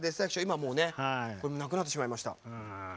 今なくなってしまいました。